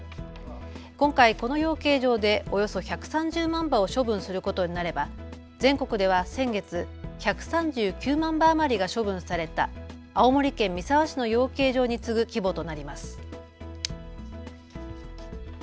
今回、この養鶏場でおよそ１３０万羽を処分することになれば全国では先月、１３９万羽余りが処分された青森県三沢市の養鶏場に次ぐ規模となります。